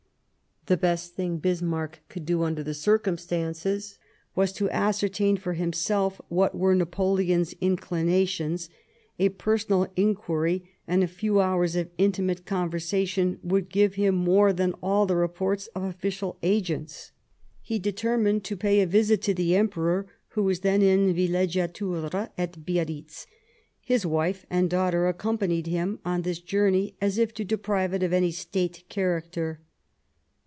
The best thing Bismarck could do, under the circumstances, was to ascertain for himself what were Napoleon's inclinations ; a personal inquiry and a few hours of intimate conversation would give him more than all the reports of official agents. He determined to pay a visit to the Emperor, who was then in villegiatura at Biarritz. His wife and daughter accompanied him on this journey, as if to deprive it of any State char acter.